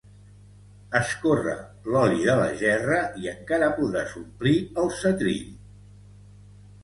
escorre l'oli de la gerra i encara podràs omplir el setrill